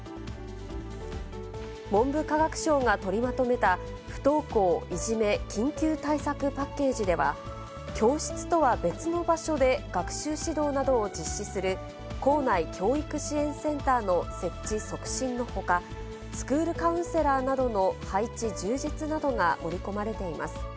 文部科学省が取りまとめた、不登校・いじめ緊急対策パッケージでは、教室とは別の場所で学習指導などを実施する、校内教育支援センターの設置促進のほか、スクールカウンセラーなどの配置充実などが盛り込まれています。